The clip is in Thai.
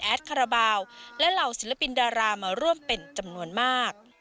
คาราบาลและเหล่าศิลปินดารามาร่วมเป็นจำนวนมาก